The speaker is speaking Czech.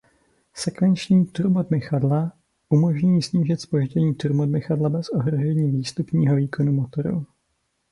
Sekvenční turbodmychadla umožňují snížit zpoždění turbodmychadla bez ohrožení výstupního výkonu motoru.